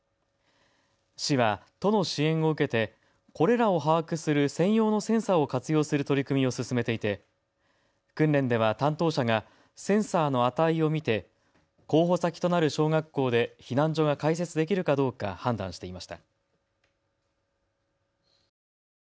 市は都の支援を受けてこれらを把握する専用のセンサーを活用する取り組みを進めていて訓練では担当者がセンサーの値を見て候補先となる小学校で避難所が開設できるかどうか判断していました。